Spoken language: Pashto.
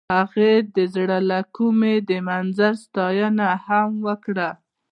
هغې د زړه له کومې د منظر ستاینه هم وکړه.